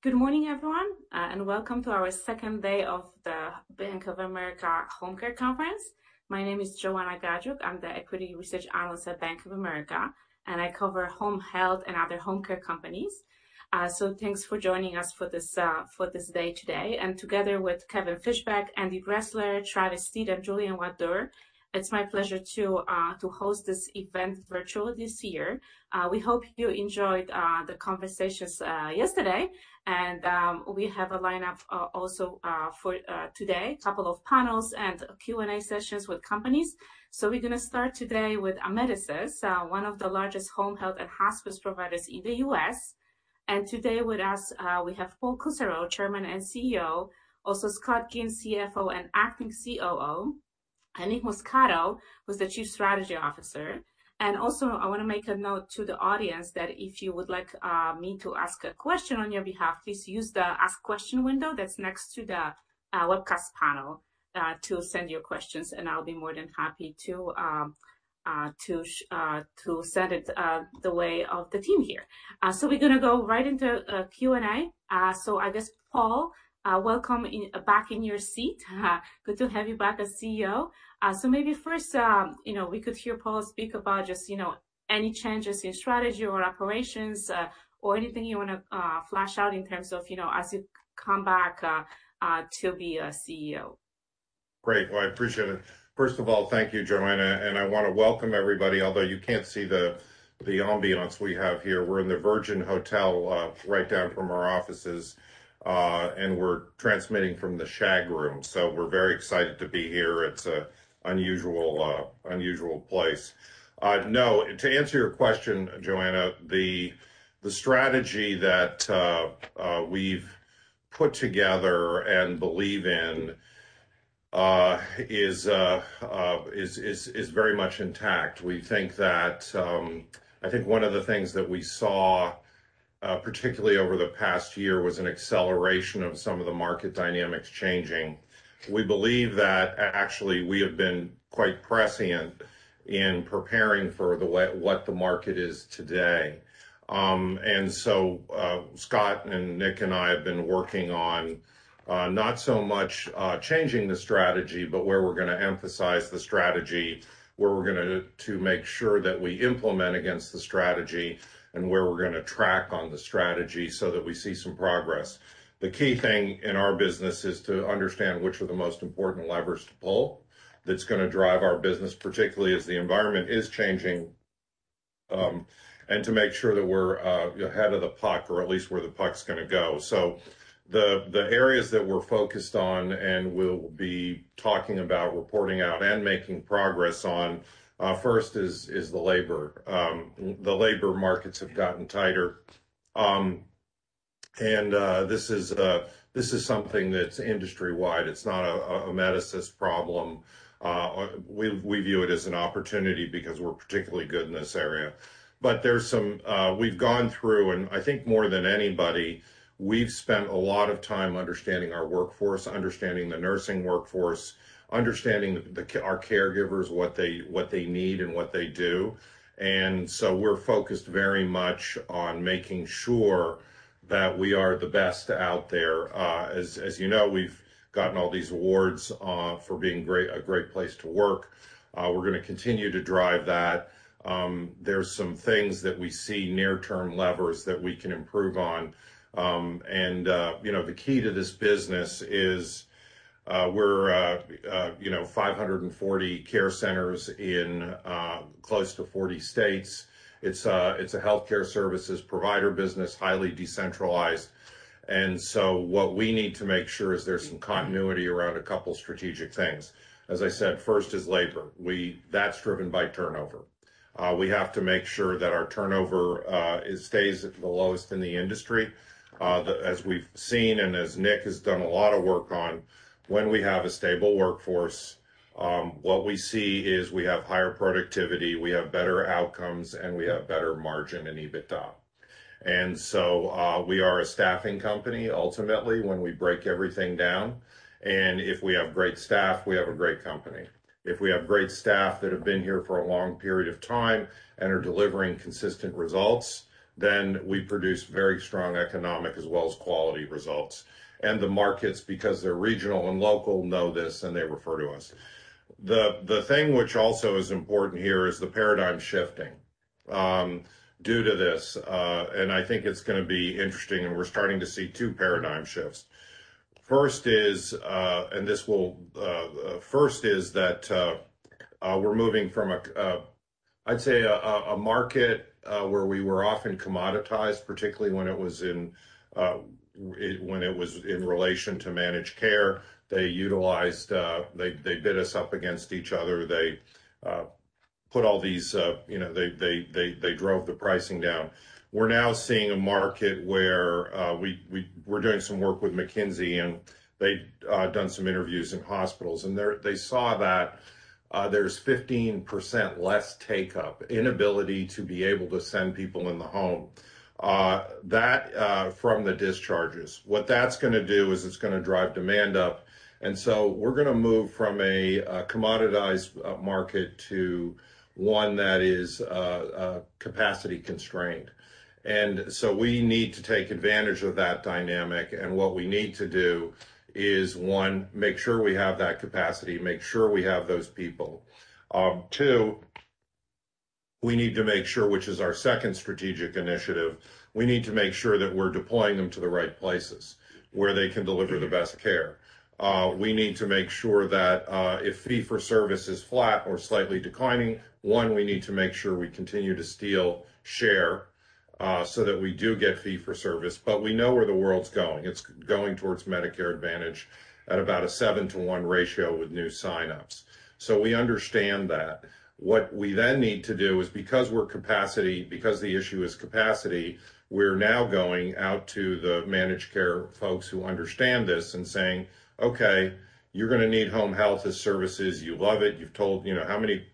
Good morning, everyone, and welcome to our second day of the Bank of America Home Care Conference. My name is Joanna Gajuk. I'm the Equity Research Analyst at Bank of America, and I cover home health and other home care companies. Thanks for joining us for this for this day today. Together with Kevin Fischbeck, Andy Bressler, Travis Steed, and Julien Ouaddour, it's my pleasure to to host this event virtual this year. We hope you enjoyed the conversations yesterday and we have a lineup also for today, couple of panels and Q&A sessions with companies. We're gonna start today with Amedisys, one of the largest home health and hospice providers in the U.S. Today with us, we have Paul Kusserow, Chairman and CEO, also Scott Ginn, CFO and acting COO, and Nick Muscato, who's the Chief Strategy Officer. Also, I want to make a note to the audience that if you would like me to ask a question on your behalf, please use the Ask Question window that's next to the webcast panel to send your questions, and I'll be more than happy to send it the way of the team here. We're gonna go right into Q&A. I guess, Paul, welcome back in your seat. Good to have you back as CEO. Maybe first, you know, we could hear Paul speak about just, you know, any changes in strategy or operations, or anything you wanna flash out in terms of, you know, as you come back to be CEO. Great. Well, I appreciate it. First of all, thank you, Joanna, and I want to welcome everybody, although you can't see the ambiance we have here. We're in the Virgin Hotel, right down from our offices, and we're transmitting from the Shag Room. We're very excited to be here. It's an unusual place. To answer your question, Joanna, the strategy that we've put together and believe in, is very much intact. We think that... I think one of the things that we saw, particularly over the past year, was an acceleration of some of the market dynamics changing. We believe that actually we have been quite prescient in preparing for what the market is today. Scott and Nick and I have been working on not so much changing the strategy, but where we're gonna emphasize the strategy, to make sure that we implement against the strategy and where we're gonna track on the strategy so that we see some progress. The key thing in our business is to understand which are the most important levers to pull that's gonna drive our business, particularly as the environment is changing, and to make sure that we're ahead of the puck or at least where the puck's gonna go. The areas that we're focused on and we'll be talking about, reporting out, and making progress on, first is the labor. The labor markets have gotten tighter. This is something that's industry-wide. It's not a Amedisys problem. We view it as an opportunity because we're particularly good in this area. There's some. We've gone through, and I think more than anybody, we've spent a lot of time understanding our workforce, understanding the nursing workforce, understanding our caregivers, what they, what they need and what they do. We're focused very much on making sure that we are the best out there. As you know, we've gotten all these awards for being a great place to work. We're gonna continue to drive that. There's some things that we see, near-term levers that we can improve on. And you know, the key to this business is we're, you know, 540 care centers in close to 40 states. It's a healthcare services provider business, highly decentralized. What we need to make sure is there's some continuity around a couple strategic things. As I said, first is labor. That's driven by turnover. We have to make sure that our turnover, it stays at the lowest in the industry. As we've seen and as Nick has done a lot of work on, when we have a stable workforce, what we see is we have higher productivity, we have better outcomes, and we have better margin and EBITDA. We are a staffing company ultimately when we break everything down. If we have great staff, we have a great company. If we have great staff that have been here for a long period of time and are delivering consistent results, then we produce very strong economic as well as quality results. The markets, because they're regional and local, know this and they refer to us. The thing which also is important here is the paradigm shifting due to this. I think it's gonna be interesting, and we're starting to see two paradigm shifts. First is that we're moving from a I'd say a market where we were often commoditized, particularly when it was in relation to managed care. They utilized, they bid us up against each other. They put all these, you know, they drove the pricing down. We're now seeing a market where we're doing some work with McKinsey, and they'd done some interviews in hospitals, and they saw that there's 15% less take-up, inability to be able to send people in the home, that from the discharges. What that's gonna do is it's gonna drive demand up, we're gonna move from a commoditized market to one that is capacity constrained. We need to take advantage of that dynamic, and what we need to do is, one, make sure we have that capacity, make sure we have those people. Two, we need to make sure, which is our second strategic initiative, we need to make sure that we're deploying them to the right places where they can deliver the best care. We need to make sure that if fee-for-service is flat or slightly declining, one, we need to make sure we continue to steal share so that we do get fee-for-service. We know where the world's going. It's going towards Medicare Advantage at about a 7:1 ratio with new sign-ups. We understand that. What we then need to do is because the issue is capacity, we're now going out to the managed care folks who understand this and saying, "Okay, you're gonna need home health as services. You love it. You've told..." You know, how many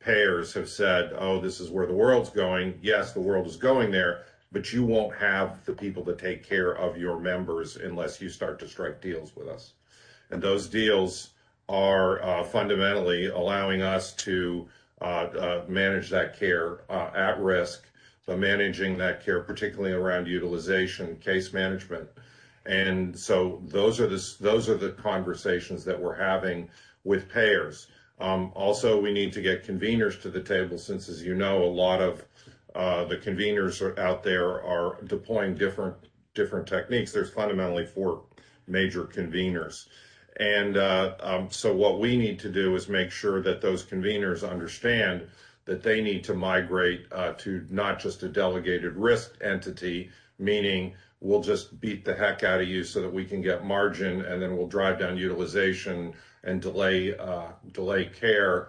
payers have said, "Oh, this is where the world's going"? Yes, the world is going there, but you won't have the people to take care of your members unless you start to strike deals with us. Those deals are fundamentally allowing us to manage that care at risk, but managing that care particularly around utilization, case management. Those are the conversations that we're having with payers. Also, we need to get conveners to the table since, as you know, a lot of the conveners out there are deploying different techniques. There's fundamentally four major conveners. What we need to do is make sure that those conveners understand that they need to migrate to not just a delegated risk entity, meaning we'll just beat the heck out of you so that we can get margin, and then we'll drive down utilization and delay care.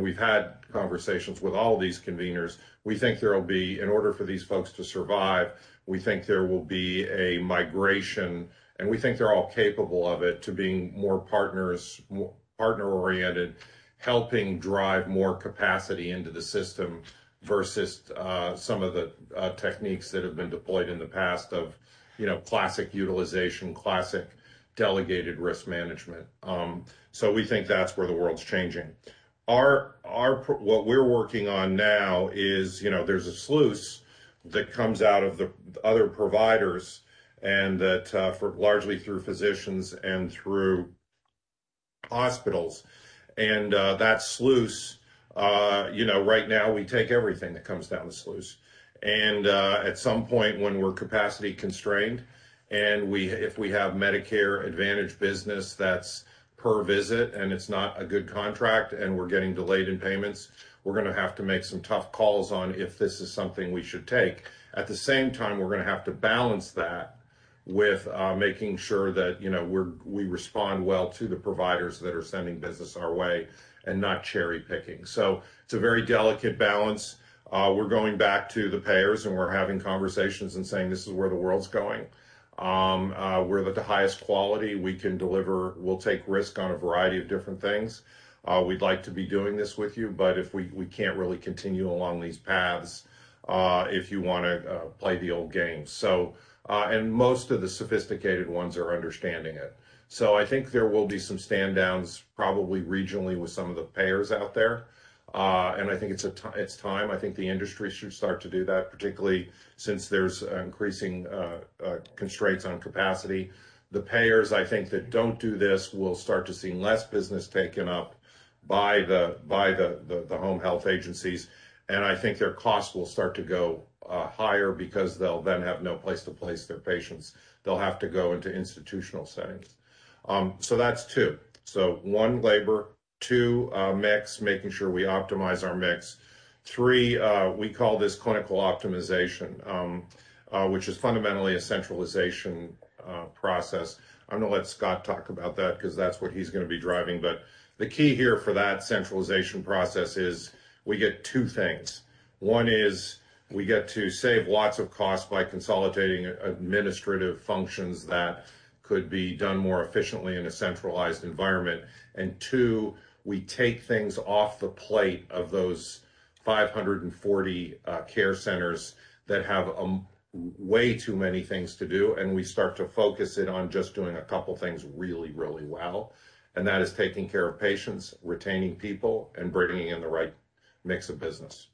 We've had conversations with all of these conveners. We think there'll be... In order for these folks to survive, we think there will be a migration, we think they're all capable of it, to being more partners, partner-oriented, helping drive more capacity into the system versus some of the techniques that have been deployed in the past of, you know, classic utilization, classic delegated risk management. We think that's where the world's changing. What we're working on now is, you know, there's a sluice that comes out of the other providers that, for largely through physicians and through hospitals. That sluice, you know, right now we take everything that comes down the sluice. At some point when we're capacity constrained and if we have Medicare Advantage business that's per visit and it's not a good contract and we're getting delayed in payments, we're gonna have to make some tough calls on if this is something we should take. At the same time, we're gonna have to balance that with making sure that, you know, we're, we respond well to the providers that are sending business our way and not cherry-picking. It's a very delicate balance. We're going back to the payers and we're having conversations and saying, "This is where the world's going. We're the highest quality. We can deliver. We'll take risk on a variety of different things. We'd like to be doing this with you, but if we can't really continue along these paths, if you wanna play the old game." Most of the sophisticated ones are understanding it. I think there will be some standdowns probably regionally with some of the payers out there. I think it's time. I think the industry should start to do that, particularly since there's increasing constraints on capacity. The payers, I think, that don't do this will start to see less business taken up by the home health agencies. I think their costs will start to go higher because they'll then have no place to place their patients. They'll have to go into institutional settings. That's two. One, labor. Two, mix, making sure we optimize our mix. Three, we call this clinical optimization, which is fundamentally a centralization process. I'm gonna let Scott talk about that because that's what he's gonna be driving. The key here for that centralization process is we get two things. One is we get to save lots of costs by consolidating administrative functions that could be done more efficiently in a centralized environment. Two, we take things off the plate of those 540 care centers that have way too many things to do, and we start to focus it on just doing a couple things really, really well, and that is taking care of patients, retaining people, and bringing in the right mix of business.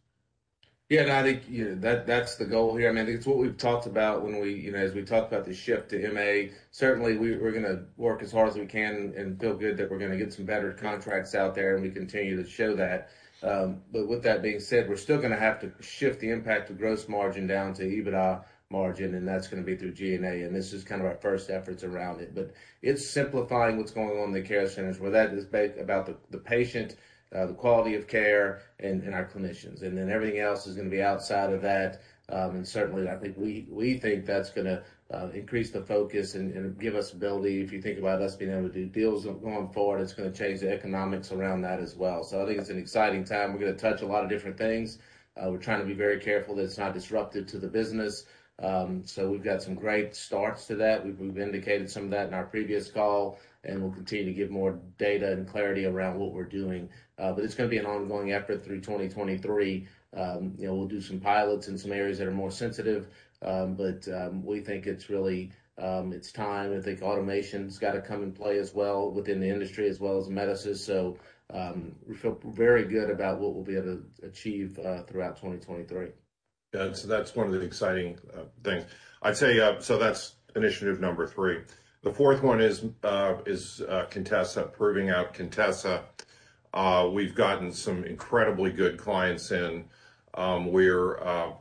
Yeah, I think, you know, that's the goal here. I mean, I think it's what we've talked about when we, you know, as we talked about the shift to MA. Certainly, we're gonna work as hard as we can and feel good that we're gonna get some better contracts out there, and we continue to show that. With that being said, we're still gonna have to shift the impact of gross margin down to EBITDA margin, and that's gonna be through G&A, and this is kind of our first efforts around it. It's simplifying what's going on in the care centers, where that is about the patient, the quality of care, and our clinicians. Then everything else is gonna be outside of that. Certainly I think we think that's gonna increase the focus and give us ability. If you think about us being able to do deals going forward, it's gonna change the economics around that as well. I think it's an exciting time. We're gonna touch a lot of different things. We're trying to be very careful that it's not disruptive to the business. We've got some great starts to that. We've indicated some of that in our previous call, and we'll continue to give more data and clarity around what we're doing. It's gonna be an ongoing effort through 2023. You know, we'll do some pilots in some areas that are more sensitive. We think it's really, it's time. I think automation's gotta come in play as well within the industry as well as Amedisys. We feel very good about what we'll be able to achieve throughout 2023. Yeah, that's one of the exciting things. I'd say, that's initiative number three. The fourth one is Contessa, proving out Contessa. We've gotten some incredibly good clients in, we're,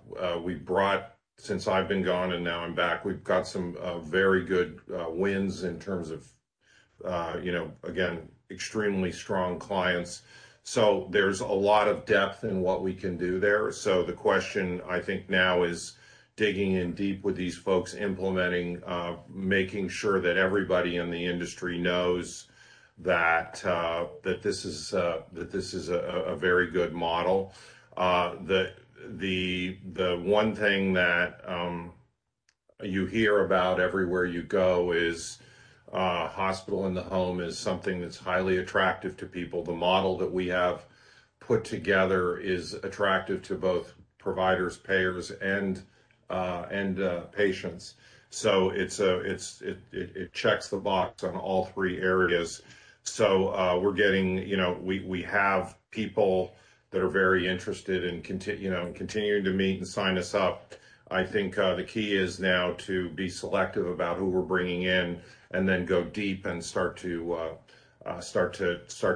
since I've been gone and now I'm back, we've got some very good wins in terms of, you know, again, extremely strong clients. There's a lot of depth in what we can do there. The question I think now is digging in deep with these folks, implementing, making sure that everybody in the industry knows that this is that this is a very good model. The one thing that you hear about everywhere you go is Hospital in the Home is something that's highly attractive to people. The model that we have put together is attractive to both providers, payers and patients. It checks the box on all three areas. We're getting, you know, we have people that are very interested in continuing to meet and sign us up. I think the key is now to be selective about who we're bringing in and then go deep and start to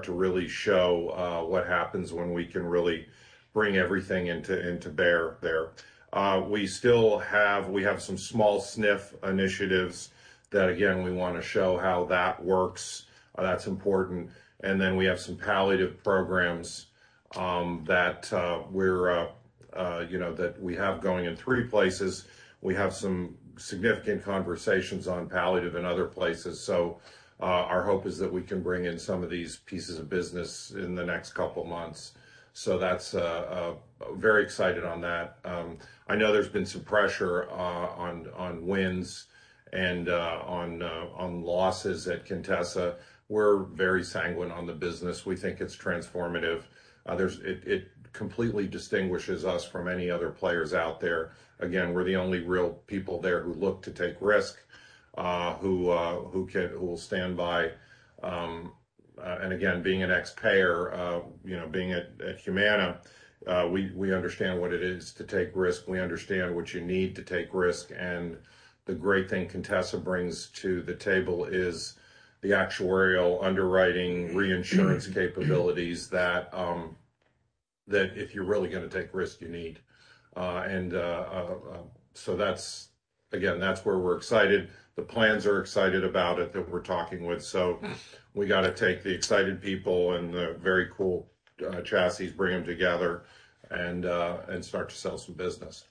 really show what happens when we can really bring everything into bear there. We have some small SNF initiatives that, again, we wanna show how that works. That's important. We have some palliative programs that, you know, we have going in three places. We have some significant conversations on palliative in other places. Our hope is that we can bring in some of these pieces of business in the next couple months. That's very excited on that. I know there's been some pressure on wins and on losses at Contessa. We're very sanguine on the business. We think it's transformative. It completely distinguishes us from any other players out there. Again, we're the only real people there who look to take risk, who will stand by. Again, being an ex-payer, you know, being at Humana, we understand what it is to take risk. We understand what you need to take risk. The great thing Contessa brings to the table is the actuarial underwriting reinsurance capabilities that if you're really gonna take risk, you need. That's, again, that's where we're excited. The plans are excited about it, that we're talking with. We gotta take the excited people and the very cool chassis, bring them together and start to sell some business.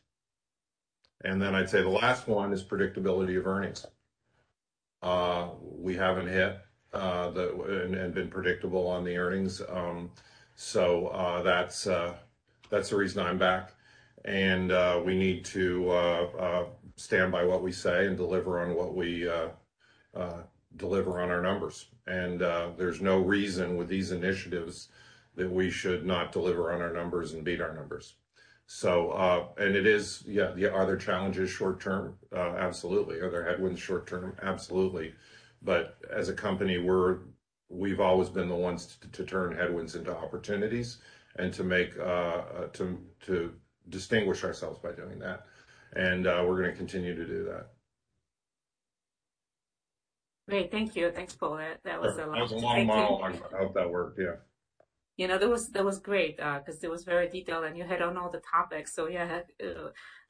I'd say the last one is predictability of earnings. We haven't hit been predictable on the earnings. That's, that's the reason I'm back. We need to stand by what we say and deliver on what we deliver on our numbers. There's no reason with these initiatives that we should not deliver on our numbers and beat our numbers. And it is. Yeah. Are there challenges short-term? Absolutely. Are there headwinds short-term? Absolutely. As a company, we've always been the ones to turn headwinds into opportunities and to distinguish ourselves by doing that. We're gonna continue to do that. Great. Thank you. Thanks, Paul. That was a lot. That was a long monologue. I hope that worked. Yeah. You know, that was great, 'cause it was very detailed, and you hit on all the topics. Yeah,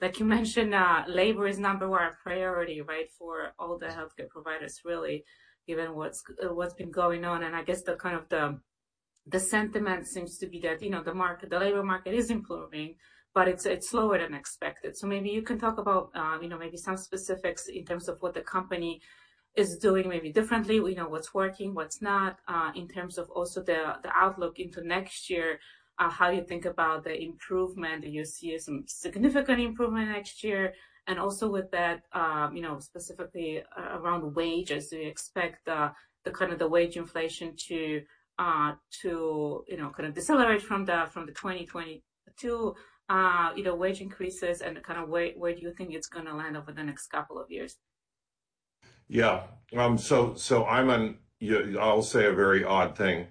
like you mentioned, labor is number one priority, right, for all the healthcare providers really, given what's been going on. I guess the kind of the sentiment seems to be that, you know, the market, the labor market is improving, but it's slower than expected. Maybe you can talk about, you know, maybe some specifics in terms of what the company is doing maybe differently. You know, what's working, what's not. In terms of also the outlook into next year, how you think about the improvement. Do you see some significant improvement next year? Also with that, you know, specifically around wages, do you expect the kind of the wage inflation to, you know, kind of decelerate from the 2022, you know, wage increases and kind of where do you think it's gonna land over the next couple of years? Yeah. I'll say a very odd thing,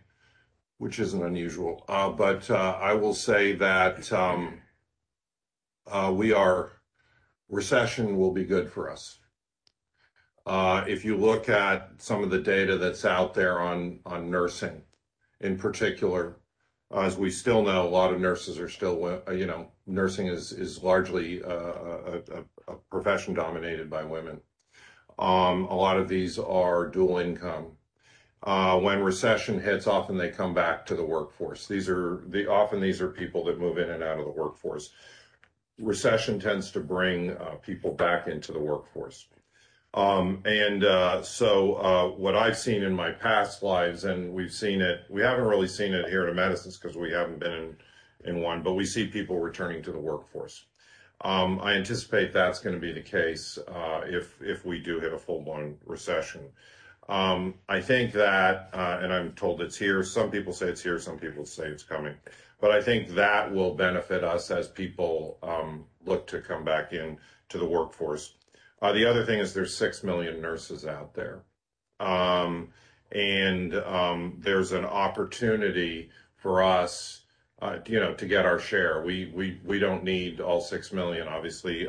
which isn't unusual. I will say that Recession will be good for us. If you look at some of the data that's out there on nursing in particular, as we still know, a lot of nurses are still you know, nursing is largely a profession dominated by women. A lot of these are dual income. When recession hits, often they come back to the workforce. Often these are people that move in and out of the workforce. Recession tends to bring people back into the workforce. What I've seen in my past lives, and We haven't really seen it here at Amedisys because we haven't been in one, but we see people returning to the workforce. I anticipate that's gonna be the case, if we do hit a full-blown recession. I think that, and I'm told it's here, some people say it's here, some people say it's coming, but I think that will benefit us as people, look to come back into the workforce. The other thing is there's 6 million nurses out there. There's an opportunity for us, you know, to get our share. We don't need all 6 million, obviously.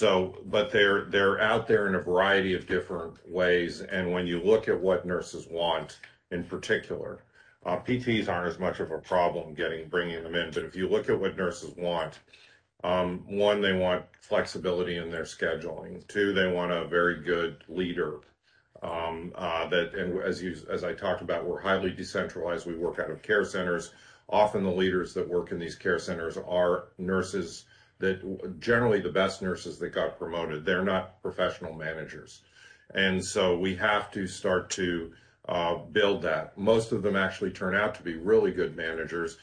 They're, they're out there in a variety of different ways, and when you look at what nurses want, in particular, PTs aren't as much of a problem bringing them in. If you look at what nurses want, one, they want flexibility in their scheduling. Two, they want a very good leader, and as I talked about, we're highly decentralized. We work out of care centers. Often the leaders that work in these care centers are nurses that generally the best nurses that got promoted, they're not professional managers. We have to start to build that. Most of them actually turn out to be really good managers.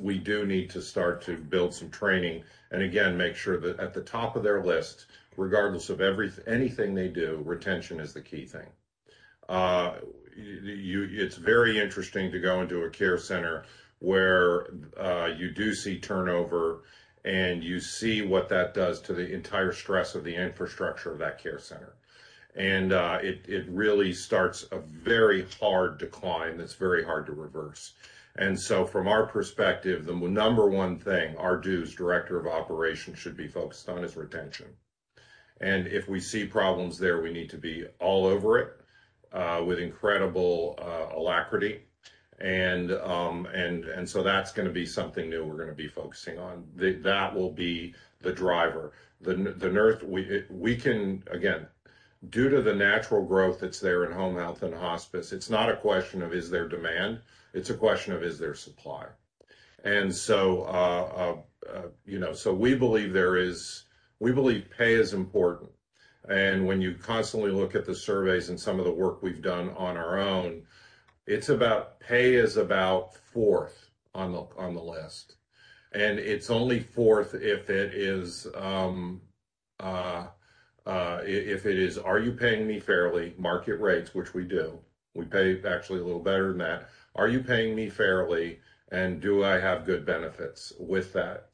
We do need to start to build some training and again, make sure that at the top of their list, regardless of anything they do, retention is the key thing. It's very interesting to go into a care center where you do see turnover, and you see what that does to the entire stress of the infrastructure of that care center. It really starts a very hard decline that's very hard to reverse. From our perspective, the number one thing our DOs, Director of Operations, should be focused on is retention. If we see problems there, we need to be all over it with incredible alacrity. That's gonna be something new we're gonna be focusing on. That will be the driver. The nurse we can... Again, due to the natural growth that's there in home health and hospice, it's not a question of is there demand, it's a question of is there supply. You know, we believe pay is important. When you constantly look at the surveys and some of the work we've done on our own, pay is about fourth on the list. It's only fourth if it is are you paying me fairly, market rates, which we do. We pay actually a little better than that. Are you paying me fairly, and do I have good benefits with that?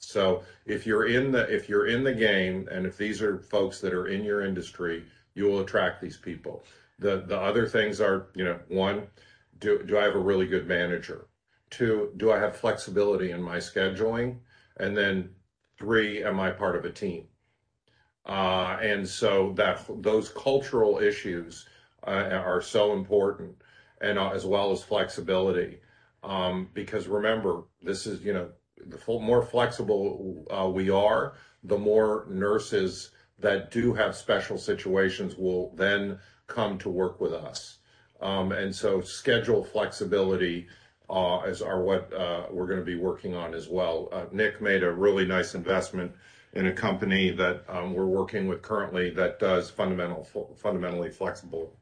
If you're in the game, and if these are folks that are in your industry, you will attract these people. The other things are, you know, one, do I have a really good manager? Two, do I have flexibility in my scheduling? Then three, am I part of a team? Those cultural issues are so important as well as flexibility. Because remember, this is, you know, the more flexible we are, the more nurses that do have special situations will then come to work with us. Schedule flexibility is what we're gonna be working on as well. Nick made a really nice investment in a company that we're working with currently that does fundamentally flexible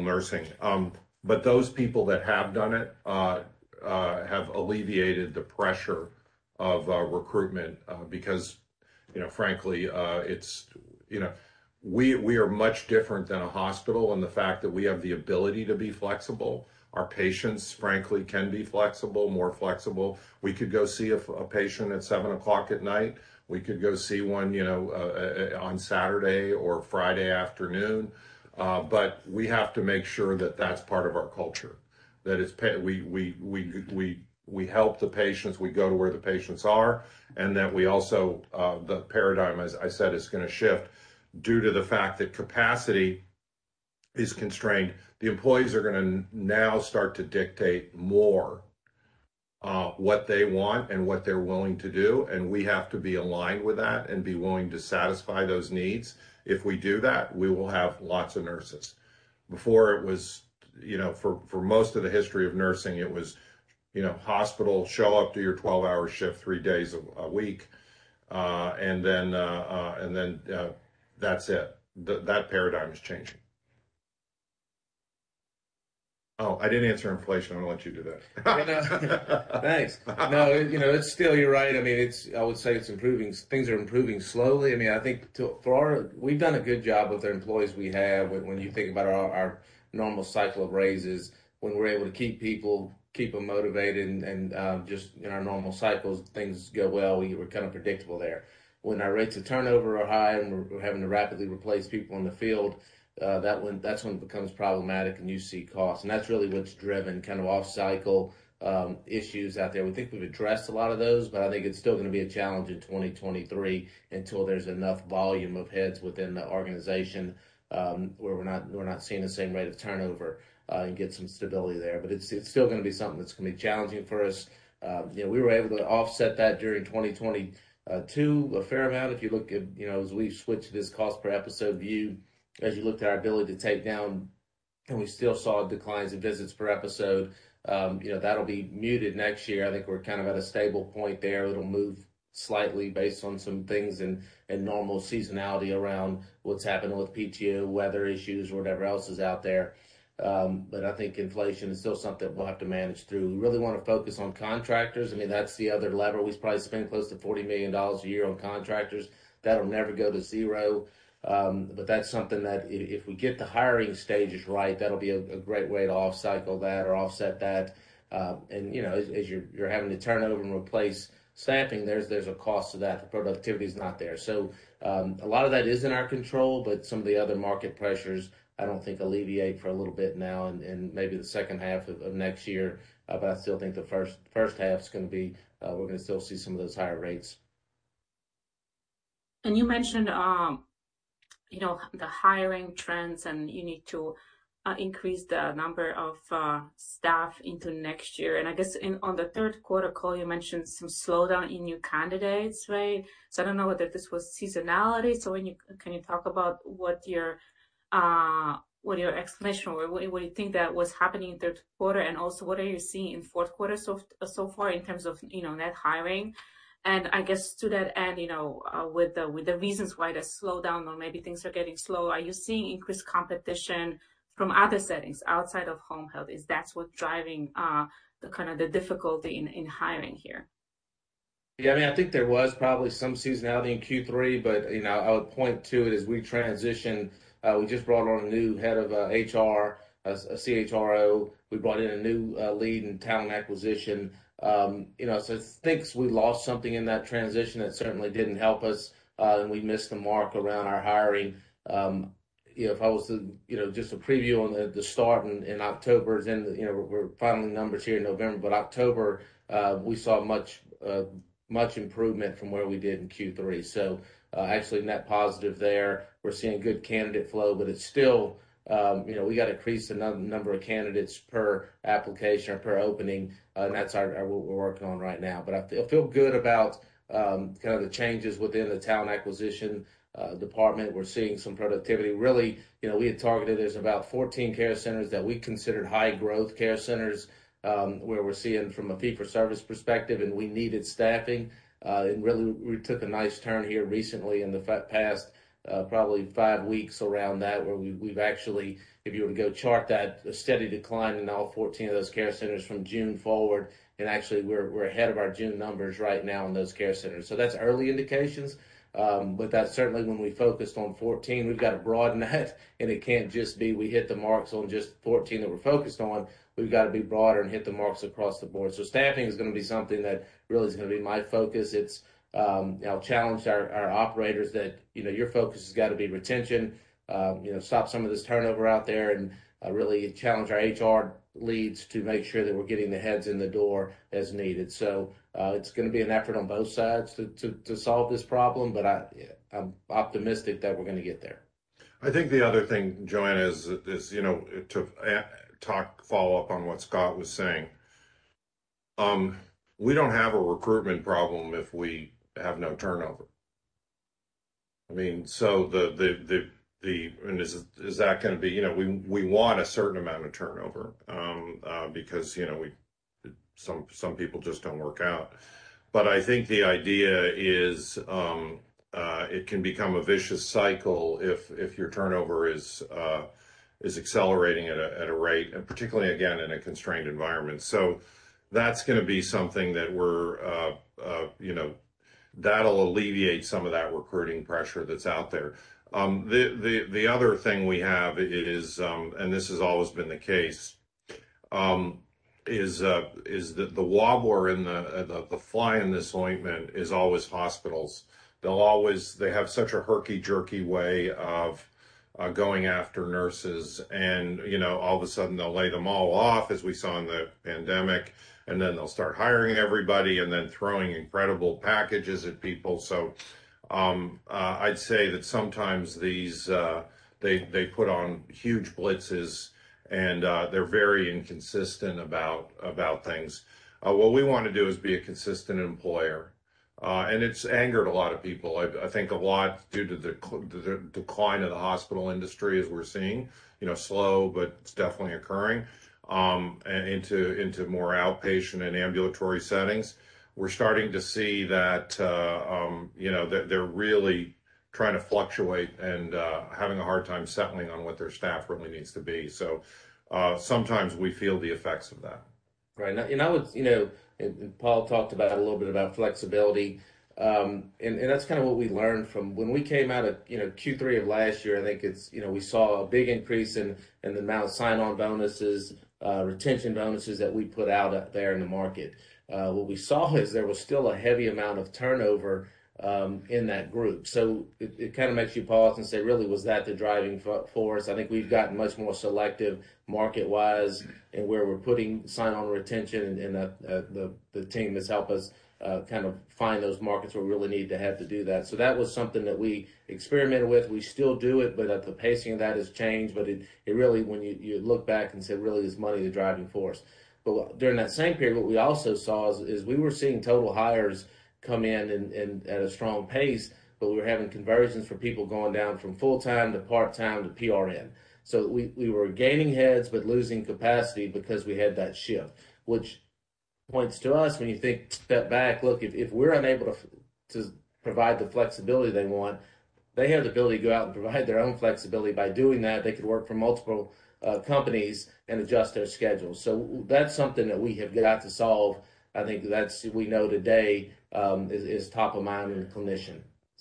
nursing. Those people that have done it have alleviated the pressure of recruitment because frankly, We are much different than a hospital in the fact that we have the ability to be flexible. Our patients, frankly, can be flexible, more flexible. We could go see a patient at 7:00 P.M. at night. We could go see one on Saturday or Friday afternoon. We have to make sure that that's part of our culture, that is we help the patients. We go to where the patients are, and that we also the paradigm, as I said, is gonna shift due to the fact that capacity is constrained. The employees are gonna now start to dictate more what they want and what they're willing to do. We have to be aligned with that and be willing to satisfy those needs. If we do that, we will have lots of nurses. Before it was, you know, for most of the history of nursing, it was, you know, hospital, show up to your 12-hour shift three days a week, and then, that's it. That paradigm is changing. Oh, I didn't answer inflation. I'm gonna let you do that. Yeah, no. Thanks. No, you know, it's still, you're right. I mean, I would say it's improving. Things are improving slowly. I mean, I think we've done a good job with the employees we have when you think about our normal cycle of raises, when we're able to keep people, keep them motivated and just in our normal cycles, things go well. We're kind of predictable there. When our rates of turnover are high and we're having to rapidly replace people in the field, that's when it becomes problematic and you see costs. That's really what's driven kind of off-cycle issues out there. We think we've addressed a lot of those, but I think it's still gonna be a challenge in 2023 until there's enough volume of heads within the organization, where we're not seeing the same rate of turnover, and get some stability there. It's still gonna be something that's gonna be challenging for us. You know, we were able to offset that during 2022 a fair amount. If you look at, you know, as we've switched to this cost per episode view, as you look to our ability to take down, and we still saw declines in visits per episode, you know, that'll be muted next year. I think we're kind of at a stable point there that'll move slightly based on some things and normal seasonality around what's happening with PTO, weather issues, or whatever else is out there. I think inflation is still something we'll have to manage through. We really wanna focus on contractors. I mean, that's the other lever. We probably spend close to $40 million a year on contractors. That'll never go to zero, if we get the hiring stages right, that'll be a great way to off-cycle that or offset that. You know, as you're having to turn over and replace staffing, there's a cost to that. The productivity is not there. A lot of that is in our control, but some of the other market pressures I don't think alleviate for a little bit now and maybe the second half of next year. I still think the first half's gonna be, we're gonna still see some of those higher rates. You mentioned, you know, the hiring trends and you need to increase the number of staff into next year. I guess on the third quarter call you mentioned some slowdown in new candidates, right? I don't know whether this was seasonality. Can you talk about what your explanation or what you think that was happening in third quarter and also what are you seeing in fourth quarter so far in terms of, you know, net hiring? I guess to that end, you know, with the reasons why the slowdown or maybe things are getting slow, are you seeing increased competition from other settings outside of home health? Is that what driving the kind of the difficulty in hiring here? I mean, I think there was probably some seasonality in Q3, but, you know, I would point to it as we transition, we just brought on a new head of HR, a CHRO. We brought in a new lead in talent acquisition. You know, so I think we lost something in that transition that certainly didn't help us, and we missed the mark around our hiring. You know, if I was to, you know, just a preview on the start in October, then, you know, we're filing the numbers here in November. October, we saw much, much improvement from where we did in Q3. Actually net positive there. We're seeing good candidate flow, but it's still, you know, we got to increase the number of candidates per application or per opening. That's our what we're working on right now. I feel good about kind of the changes within the talent acquisition department. We're seeing some productivity. Really, you know, we had targeted, there's about 14 care centers that we considered high growth care centers, where we're seeing from a fee-for-service perspective, and we needed staffing. It really we took a nice turn here recently in the past probably five weeks around that, where we've actually, if you were to go chart that, a steady decline in all 14 of those care centers from June forward. Actually we're ahead of our June numbers right now in those care centers. That's early indications. That's certainly when we focused on 14. We've got to broaden that. It can't just be we hit the marks on just 14 that we're focused on. We've got to be broader and hit the marks across the board. Staffing is gonna be something that really is gonna be my focus. It's, you know, challenge our operators that, you know, your focus has got to be retention. You know, stop some of this turnover out there, and really challenge our HR leads to make sure that we're getting the heads in the door as needed. It's gonna be an effort on both sides to solve this problem, but I'm optimistic that we're gonna get there. I think the other thing, Joanne, is, you know, to follow-up on what Scott was saying. We don't have a recruitment problem if we have no turnover. I mean, is that gonna be... You know, we want a certain amount of turnover because, you know, some people just don't work out. I think the idea is, it can become a vicious cycle if your turnover is accelerating at a rate, and particularly again, in a constrained environment. That's gonna be something that we're, you know, that'll alleviate some of that recruiting pressure that's out there. The other thing we have is, and this has always been the case, is the wobble in the fly in this ointment is always hospitals. They have such a herky-jerky way of going after nurses and, you know, all of a sudden they'll lay them all off, as we saw in the pandemic, and then they'll start hiring everybody and then throwing incredible packages at people. I'd say that sometimes these, they put on huge blitzes and they're very inconsistent about things. What we wanna do is be a consistent employer. It's angered a lot of people, I think a lot due to the decline in the hospital industry as we're seeing, you know, slow, but it's definitely occurring, into more outpatient and ambulatory settings. We're starting to see that, you know, they're really trying to fluctuate and having a hard time settling on what their staff really needs to be. Sometimes we feel the effects of that. Right. I would, you know, and Paul talked about a little bit about flexibility. That's kind of what we learned from when we came out of, you know, Q3 of last year, I think it's, you know, we saw a big increase in the amount of sign-on bonuses, retention bonuses that we put out there in the market. What we saw is there was still a heavy amount of turnover in that group. It kind of makes you pause and say, really, was that the driving force? I think we've gotten much more selective market-wise in where we're putting sign-on retention and the team has helped us kind of find those markets where we really need to have to do that. That was something that we experimented with. We still do it, but the pacing of that has changed. It, it really, when you look back and say, really, is money the driving force? During that same period, what we also saw is we were seeing total hires come in and at a strong pace, but we were having conversions for people going down from full-time to part-time to PRN. We were gaining heads but losing capacity because we had that shift, which points to us when you think, step back, look, if we're unable to provide the flexibility they want, they have the ability to go out and provide their own flexibility by doing that. They could work for multiple companies and adjust their schedules. That's something that we have yet to solve. I think that's, we know today, is top of mind with a clinician.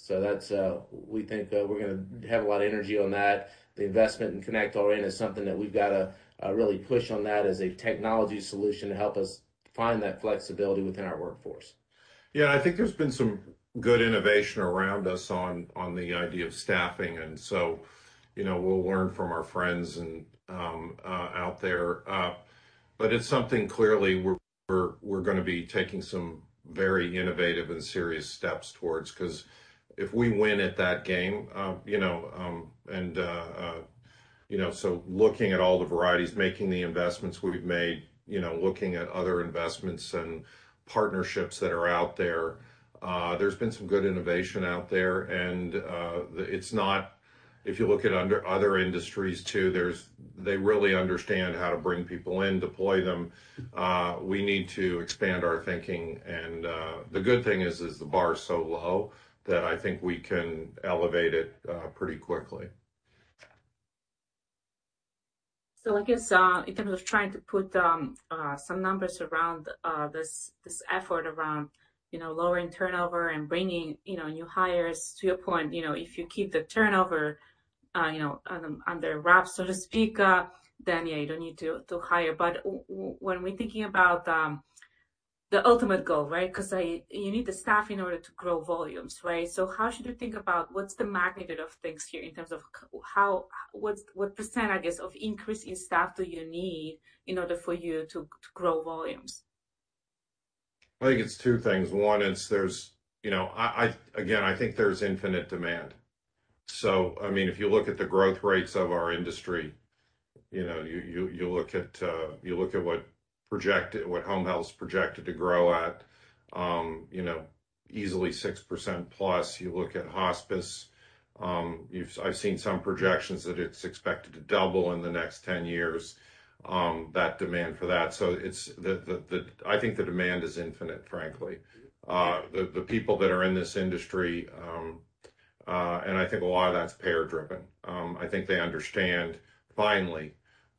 That's, we think that we're gonna have a lot of energy on that. The investment in connectRN is something that we've got to really push on that as a technology solution to help us find that flexibility within our workforce. Yeah. I think there's been some good innovation around us on the idea of staffing. You know, we'll learn from our friends out there. It's something clearly we're gonna be taking some very innovative and serious steps towards. If we win at that game, you know, and you know, looking at all the varieties, making the investments we've made, you know, looking at other investments and partnerships that are out there's been some good innovation out there, and it's not. If you look at other industries too, they really understand how to bring people in, deploy them. We need to expand our thinking, and the good thing is, the bar is so low that I think we can elevate it pretty quickly. I guess, in terms of trying to put some numbers around this effort around, you know, lowering turnover and bringing, you know, new hires to your point, you know, if you keep the turnover, you know, under wraps, so to speak, then, yeah, you don't need to hire. When we're thinking about the ultimate goal, right? 'Cause you need the staff in order to grow volumes, right? How should we think about what's the magnitude of things here in terms of what's, what % I guess, of increase in staff do you need in order for you to grow volumes? I think it's two things. One is there's, you know, Again, I think there's infinite demand. I mean, if you look at the growth rates of our industry, you know, you look at what home health projected to grow at, you know, easily 6%+. You look at hospice, I've seen some projections that it's expected to double in the next 10 years, that demand for that. I think the demand is infinite, frankly. The people that are in this industry, and I think a lot of that's payer-driven, I think they understand finally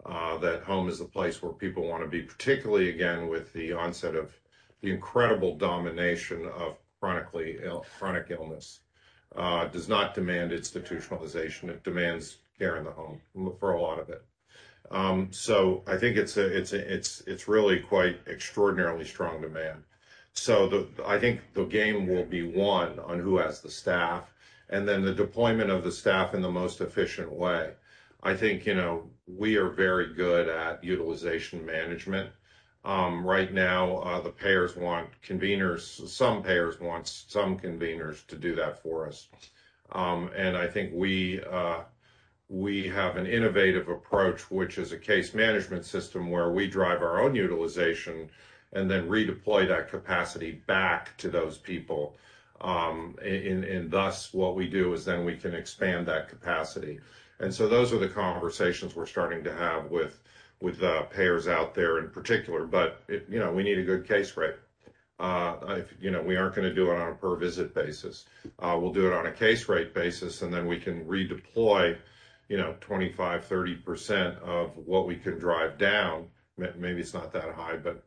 that home is the place where people wanna be, particularly again, with the onset of the incredible domination of chronic illness, does not demand institutionalization, it demands care in the home for a lot of it. I think it's really quite extraordinarily strong demand. I think the game will be won on who has the staff and then the deployment of the staff in the most efficient way. I think, you know, we are very good at utilization management. Right now, the payers want conveners. Some payers want some conveners to do that for us. I think we have an innovative approach, which is a case management system where we drive our own utilization and then redeploy that capacity back to those people, and thus what we do is then we can expand that capacity. Those are the conversations we're starting to have with payers out there in particular. You know, we need a good case rate. If, you know, we aren't gonna do it on a per visit basis, we'll do it on a case rate basis, and then we can redeploy, you know, 25%, 30% of what we can drive down. Maybe it's not that high, but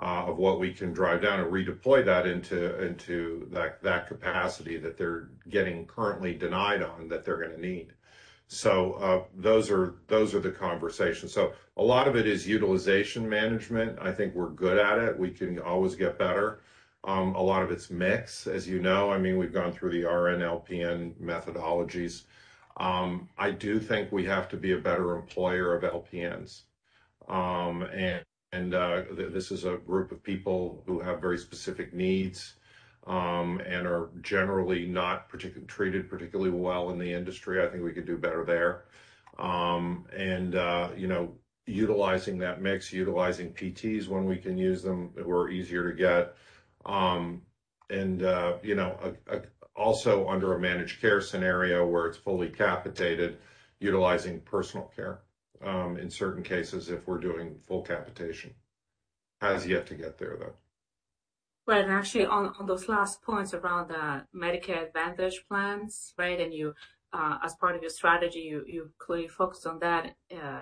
of what we can drive down and redeploy that into that capacity that they're getting currently denied on that they're gonna need. Those are the conversations. A lot of it is utilization management. I think we're good at it. We can always get better. A lot of it's mix, as you know. I mean, we've gone through the RN, LPN methodologies. I do think we have to be a better employer of LPNs. This is a group of people who have very specific needs and are generally not treated particularly well in the industry. I think we could do better there. You know, utilizing that mix, utilizing PTs when we can use them, they were easier to get. You know, also under a managed care scenario where it's fully capitated, utilizing personal care in certain cases, if we're doing full capitation. Has yet to get there, though. Right. Actually on those last points around the Medicare Advantage plans, right? You as part of your strategy, you clearly focused on that.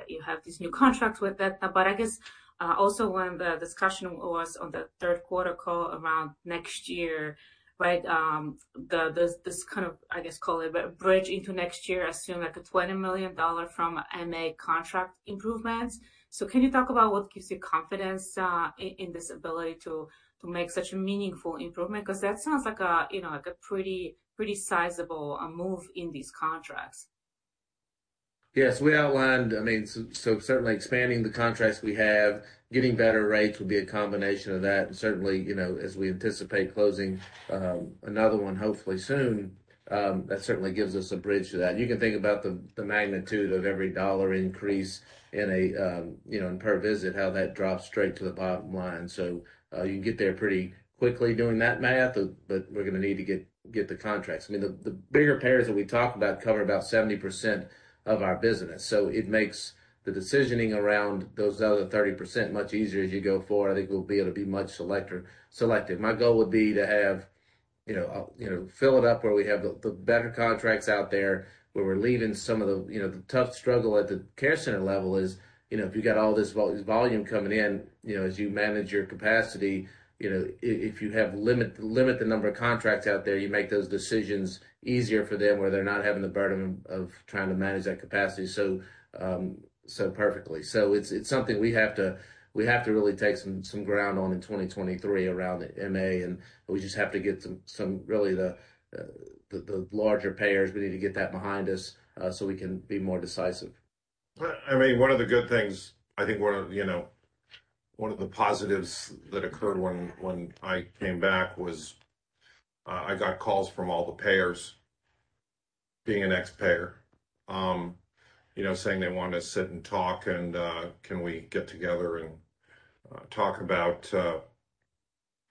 You have these new contracts with that. I guess also when the discussion was on the third quarter call around next year, right? The, this kind of, I guess call it bridge into next year, assume like a $20 million from MA contract improvements. Can you talk about what gives you confidence in this ability to make such a meaningful improvement? 'Cause that sounds like a, you know, like a pretty sizable move in these contracts. Yes. We outlined, I mean, so certainly expanding the contracts we have, getting better rates will be a combination of that. Certainly, you know, as we anticipate closing another one hopefully soon, that certainly gives us a bridge to that. You can think about the magnitude of every $1 increase in a, you know, in per visit, how that drops straight to the bottom line. You can get there pretty quickly doing that math, but we're gonna need to get the contracts. I mean, the bigger payers that we talk about cover about 70% of our business. It makes the decisioning around those other 30% much easier as you go forward. I think we'll be able to be much selective. My goal would be to have, you know, fill it up where we have the better contracts out there, where we're leaving some of the, you know, the tough struggle at the care center level is, you know, if you got all this volume coming in, you know, as you manage your capacity, if you limit the number of contracts out there, you make those decisions easier for them where they're not having the burden of trying to manage that capacity so perfectly. It's something we have to really take some ground on in 2023 around MA, and we just have to get some really the larger payers, we need to get that behind us, so we can be more decisive. Well, I mean, one of the good things, I think one of, you know, one of the positives that occurred when I came back was, I got calls from all the payers, being an ex-payer, you know, saying they want to sit and talk and can we get together and talk about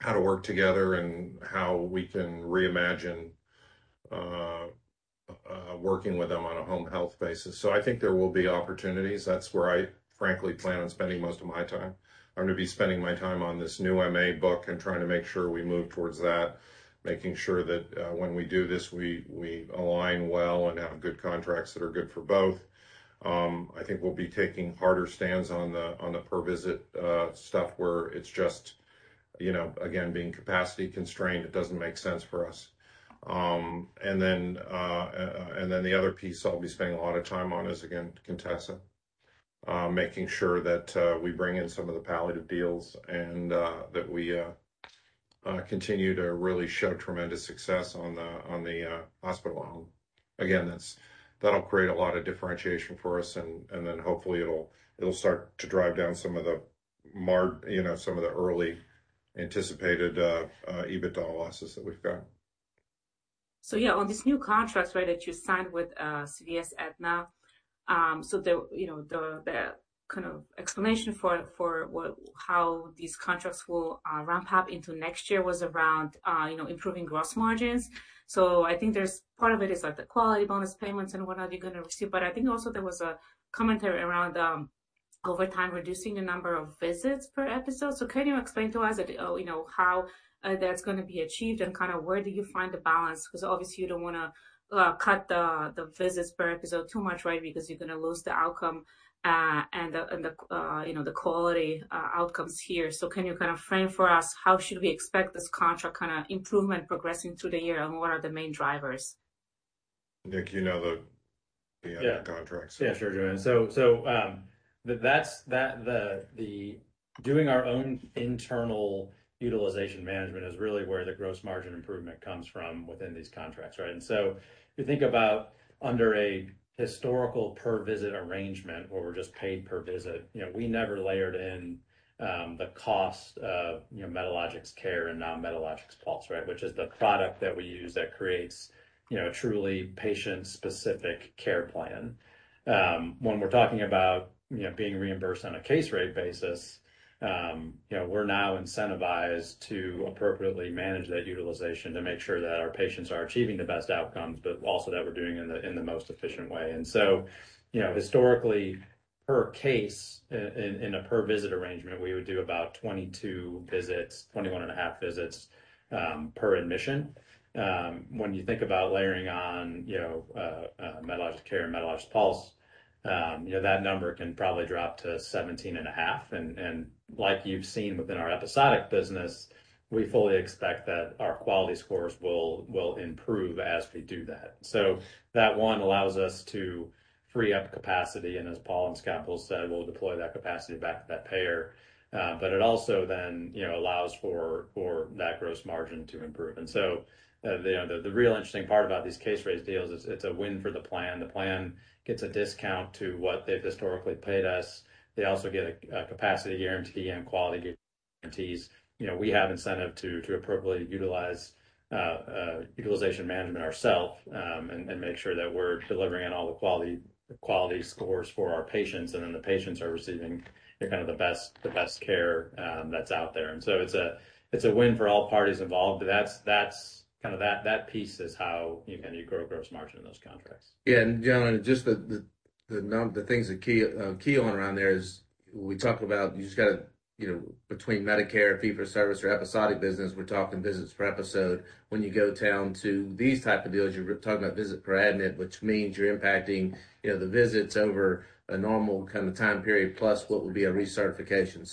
how to work together and how we can reimagine working with them on a home health basis. I think there will be opportunities. That's where I frankly plan on spending most of my time. I'm gonna be spending my time on this new MA book and trying to make sure we move towards that, making sure that, when we do this, we align well and have good contracts that are good for both. I think we'll be taking harder stands on the per visit stuff where it's just, you know, again, being capacity constrained, it doesn't make sense for us. And then the other piece I'll be spending a lot of time on is, again, Contessa, making sure that we bring in some of the palliative deals and that we continue to really show tremendous success on the hospital home. Again, that'll create a lot of differentiation for us and then hopefully it'll start to drive down some of the you know, some of the early anticipated EBITDA losses that we've got. Yeah, on this new contract, right, that you signed with CVS-Aetna, the, you know, the kind of explanation for how these contracts will ramp up into next year was around, you know, improving gross margins. I think there's part of it is like the quality bonus payments and whatnot you're gonna receive, but I think also there was a commentary around over time reducing the number of visits per episode. Can you explain to us, you know, how that's gonna be achieved and kind of where do you find the balance? Because obviously you don't wanna cut the visits per episode too much, right? Because you're gonna lose the outcome and the, and the, you know, the quality outcomes here. Can you frame for us how should we expect this contract improvement progressing through the year, and what are the main drivers? Nick, you know the contracts. Yeah. Yeah, sure, Joanne. The doing our own internal utilization management is really where the gross margin improvement comes from within these contracts, right? If you think about under a historical per visit arrangement where we're just paid per visit, you know, we never layered in the cost of, you know, Medalogix Care and Medalogix Pulse, right? Which is the product that we use that creates, you know, a truly patient-specific care plan. When we're talking about, you know, being reimbursed on a case rate basis, you know, we're now incentivized to appropriately manage that utilization to make sure that our patients are achieving the best outcomes, but also that we're doing it in the, in the most efficient way. You know, historically per case in a per visit arrangement, we would do about 22 visits, 21.5 visits per admission. When you think about layering on, you know, Medalogix Care and Medalogix Pulse, you know, that number can probably drop to 17.5. Like you've seen within our episodic business, we fully expect that our quality scores will improve as we do that. That one allows us to free up capacity, and as Paul and Scott both said, we'll deploy that capacity back to that payer. It also then, you know, allows for that gross margin to improve. The real interesting part about these case rate deals is it's a win for the plan. The plan gets a discount to what they've historically paid us. They also get a capacity guarantee and quality guarantees. You know, we have incentive to appropriately utilize utilization management ourself, and make sure that we're delivering on all the quality scores for our patients, and then the patients are receiving, you know, kind of the best care that's out there. It's a win for all parties involved. That's kind of that piece is how, you know, you grow gross margin in those contracts. Yeah. Joanne, just the things that keying around there is we talk about you just gotta, you know, between Medicare fee for service or episodic business, we're talking visits per episode. When you go down to these type of deals, you're talking about visits per admission, which means you're impacting, you know, the visits over a normal kind of time period plus what would be a recertification.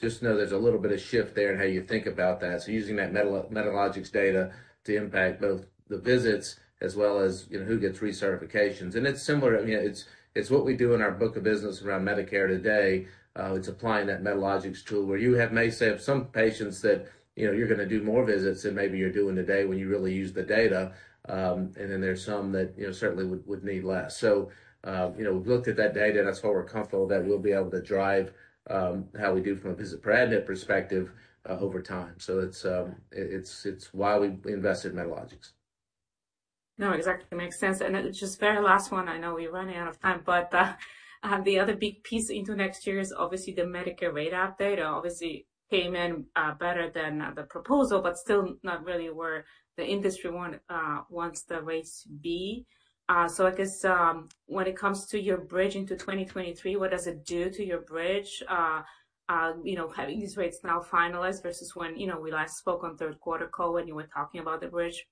Just know there's a little bit of shift there in how you think about that. Using that Medalogix data to impact both the visits as well as, you know, who gets recertifications. It's similar, I mean, it's what we do in our book of business around Medicare today. It's applying that Medalogix tool where you may have some patients that, you know, you're gonna do more visits than maybe you're doing today when you really use the data. And then there's some that, you know, certainly would need less. You know, we've looked at that data, and that's why we're comfortable that we'll be able to drive how we do from a visits per admission perspective over time. It's why we invested in Medalogix. No, exactly. Makes sense. Just very last one, I know we're running out of time, but the other big piece into next year is obviously the Medicare rate update. Obviously came in better than the proposal, but still not really where the industry wants the rates to be. I guess when it comes to your bridge into 2023, what does it do to your bridge? You know, having these rates now finalized versus when, you know, we last spoke on third quarter call when you were talking about the bridge.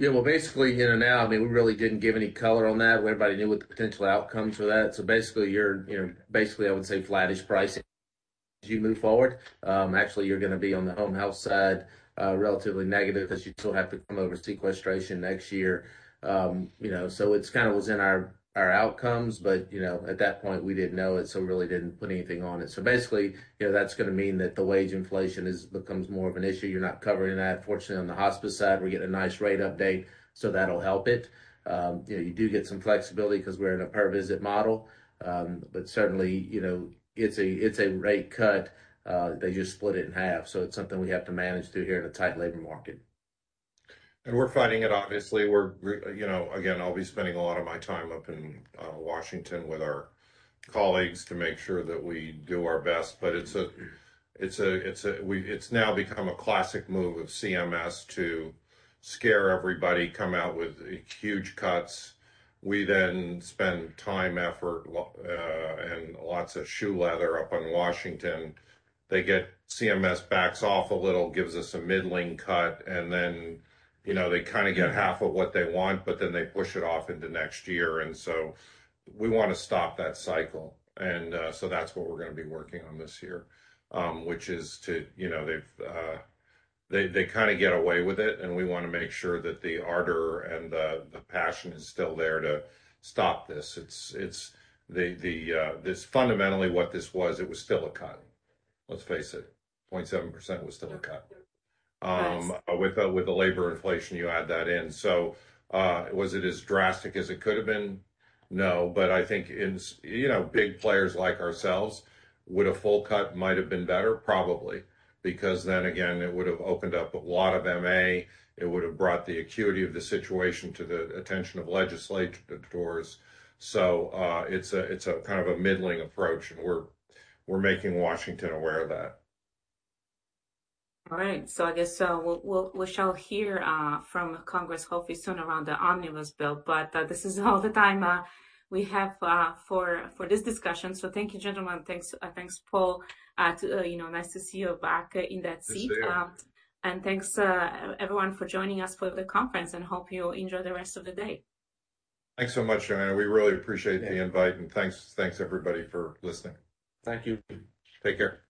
Well, basically, you know, now, I mean, we really didn't give any color on that. Everybody knew what the potential outcome for that. Basically, you're, you know, basically I would say flattish pricing as you move forward. Actually, you're gonna be on the home health side, relatively negative because you still have to come over sequestration next year. You know, so it's kind of was in our outcomes. At that point we didn't know it, so we really didn't put anything on it. Basically, you know, that's gonna mean that the wage inflation becomes more of an issue. You're not covering that. Fortunately, on the hospice side, we're getting a nice rate update, so that'll help it. You know, you do get some flexibility because we're in a per visit model. Certainly, you know, it's a rate cut, they just split it in half. It's something we have to manage through here in a tight labor market. We're fighting it, obviously. We're, you know, again, I'll be spending a lot of my time up in Washington with our colleagues to make sure that we do our best. It's a, it's a, it's a. It's now become a classic move of CMS to scare everybody, come out with huge cuts. We then spend time, effort, and lots of shoe leather up in Washington. CMS backs off a little, gives us a middling cut, and then, you know, they kinda get half of what they want, but then they push it off into next year. We wanna stop that cycle. That's what we're going to be working on this year, which is to, you know, they've, they kinda get away with it, and we wanna make sure that the ardor and the passion is still there to stop this. It's the fundamentally what this was, it was still a cut. Let's face it, 0.7% was still a cut. With the labor inflation, you add that in. Was it as drastic as it could have been? No. I think in you know, big players like ourselves, would a full cut might have been better? Probably. It would have opened up a lot of MA, it would have brought the acuity of the situation to the attention of legislators. It's a kind of a middling approach, and we're making Washington aware of that. All right. I guess we shall hear from Congress hopefully soon around the omnibus bill. This is all the time we have for this discussion. Thank you, gentlemen. Thanks, thanks, Paul. You know, nice to see you back in that seat. Thanks, Joanna. Thanks, everyone for joining us for the conference, and hope you enjoy the rest of the day. Thanks so much, Joanna. We really appreciate the invite. Yeah. Thanks, everybody, for listening. Thank you. Take care.